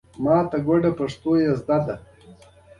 چې د ملي ټلویزیون پر پرده به کېږي.